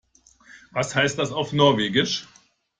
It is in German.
Was heißt das auf Norwegisch?